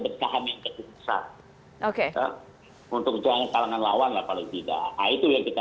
bersaham yang kecil besar oke untuk menjalankan kalangan lawan lah paling tidak nah itu yang kita